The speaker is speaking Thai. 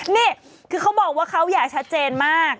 นี่คือเขาบอกว่าเขาอย่าชัดเจนมาก